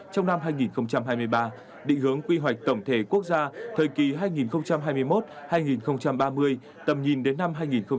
trong năm hai nghìn hai mươi ba định hướng quy hoạch tổng thể quốc gia thời kỳ hai nghìn hai mươi một hai nghìn ba mươi tầm nhìn đến năm hai nghìn năm mươi